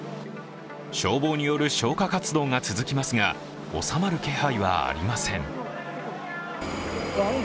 消防による消火活動が続きますが収まる気配はありません。